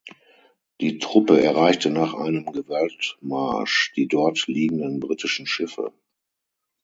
Die Truppe erreichte nach einem Gewaltmarsch die dort liegenden britischen Schiffe.